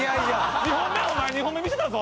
２本目２本目見てたぞ。